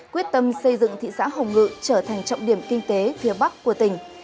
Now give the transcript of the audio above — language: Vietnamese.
quyết tâm xây dựng thị xã hồng ngự trở thành trọng điểm kinh tế phía bắc của tỉnh